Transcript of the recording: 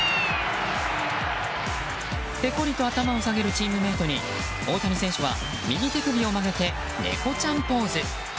ぺこりと頭を下げるチームメートに大谷選手は右手首を曲げて猫ちゃんポーズ。